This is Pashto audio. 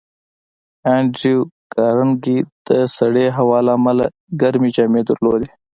انډریو کارنګي د سړې هوا له امله ګرمې جامې درلودې